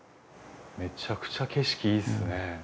めちゃくちゃ景色いいですね。